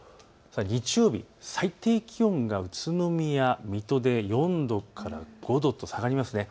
日曜日、最低気温が宇都宮、水戸で４度から５度と下がります。